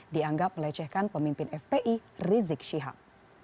dianggap melecehkan pemimpin fpi rizik syihab